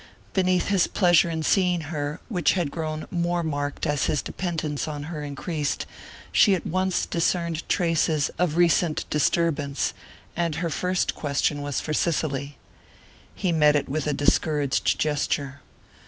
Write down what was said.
Beneath his pleasure in seeing her, which had grown more marked as his dependence on her increased, she at once discerned traces of recent disturbance; and her first question was for Cicely. He met it with a discouraged gesture.